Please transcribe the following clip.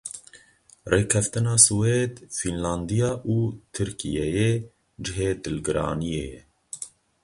Rêkeftina Swêd, Fînlanda û Tirkiyeyê cihê dilgiraniyê ye.